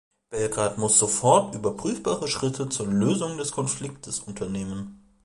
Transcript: Belgrad muss sofort überprüfbare Schritte zur Lösung des Konfliktes unternehmen.